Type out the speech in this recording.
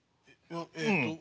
えっと